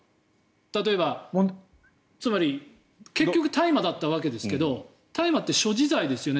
例えば結局、大麻だったわけですが大麻って所持罪ですよね？